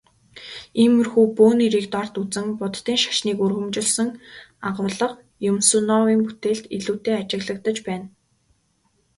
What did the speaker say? Иймэрхүү бөө нэрийг дорд үзэн Буддын шашныг өргөмжилсөн агуулга Юмсуновын бүтээлд илүүтэй ажиглагдаж байна.